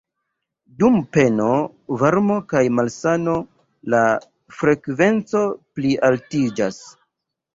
Dum peno, varmo kaj malsano la frekvenco plialtiĝas.